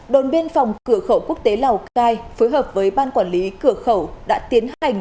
đồn biên phòng cửa khẩu quốc tế lào cai phối hợp với ban quản lý cửa khẩu đã tiến hành